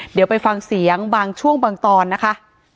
เดี๋ยวไปฟังเสียงบางช่วงบางตอนนะคะ